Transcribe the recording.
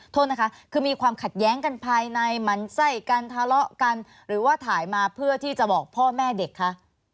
โทษนะคะคือมีความขัดแย้งกันภายในหมั่นไส้กันทะเลาะกันหรือว่าถ่ายมาเพื่อที่จะบอกพ่อแม่เด็กคะ